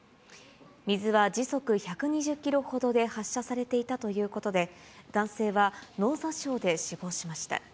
水は時速１２０キロほどで発射されていたということで、男性は脳挫傷で死亡しました。